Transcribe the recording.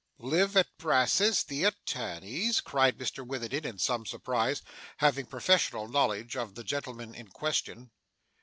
'Live at Brass's the attorney's!' cried Mr Witherden in some surprise: having professional knowledge of the gentleman in question.